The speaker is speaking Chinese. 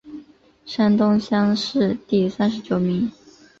山东乡试第三十九名。